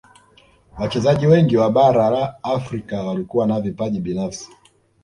wachezaji wengi wa bara la afrika walikuwa na vipaji binafsi